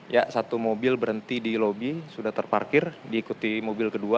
ya satu mobil berhenti di lobi sudah terparkir diikuti mobil kedua